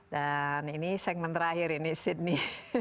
dan ini segmen terakhir ini sidney